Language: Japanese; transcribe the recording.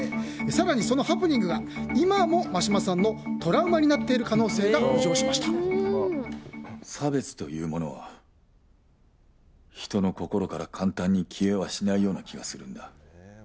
更にそのハプニングが今も眞島さんのトラウマになってる可能性が差別というものは人の心から簡単に消えはしないような気がするんだ。